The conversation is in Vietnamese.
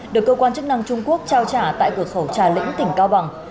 được cơ quan chức năng trung quốc trao trả tại cuộc khẩu trả lĩnh tỉnh cao bằng